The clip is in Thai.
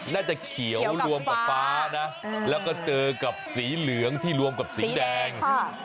น่าจะเขียวรวมกับฟ้านะแล้วก็เจอกับสีเหลืองที่รวมกับสีแดง